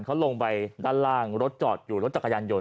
เขาลงไปด้านล่างรถจอดอยู่รถจักรยานยนต